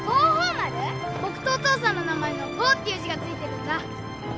僕とお父さんの名前の「剛」っていう字が付いてるんだ。